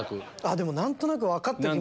でも何となく分かった気も。